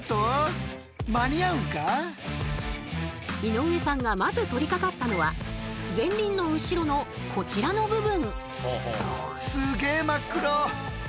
井上さんがまず取りかかったのは前輪の後ろのこちらの部分。